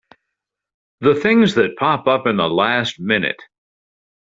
The things that pop up at the last minute!